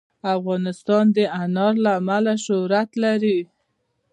افغانستان د انار له امله شهرت لري.